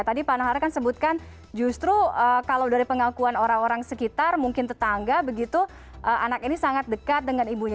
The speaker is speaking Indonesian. tadi pak nahar kan sebutkan justru kalau dari pengakuan orang orang sekitar mungkin tetangga begitu anak ini sangat dekat dengan ibunya